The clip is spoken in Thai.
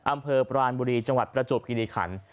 อำเภอปรานบุรีจังหวัดประจวบคิริขัน